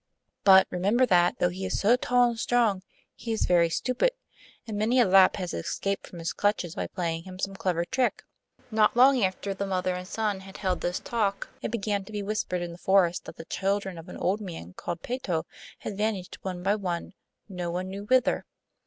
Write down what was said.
But, remember that, though he is so tall and strong, he is very stupid, and many a Lapp has escaped from his clutches by playing him some clever trick.' Not long after the mother and son had held this talk, it began to be whispered in the forest that the children of an old man called Patto had vanished one by one, no one knew whither.